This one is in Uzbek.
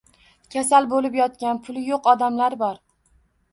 Kasal bo'lib yotgan puli yo'q odamlar bor.